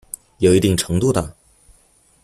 有一定程度的